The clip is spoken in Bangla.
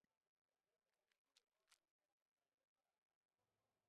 দুই প্রকার দান বিশেষ প্রশংসার্হ, বিদ্যাদান আর প্রাণদান।